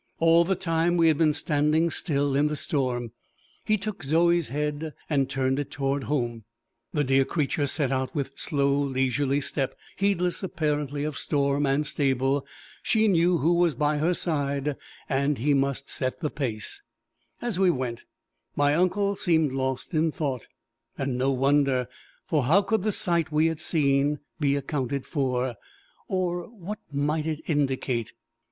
All the time, we had been standing still in the storm. He took Zoe's head and turned it toward home. The dear creature set out with slow leisurely step, heedless apparently of storm and stable. She knew who was by her side, and he must set the pace! As we went my uncle seemed lost in thought and no wonder! for how could the sight we had seen be accounted for! Or what might it indicate?